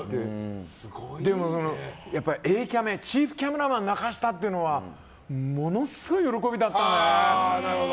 でも、やっぱりＡキャメチーフキャメラマン泣かせたっていうのはものすごい喜びだったね。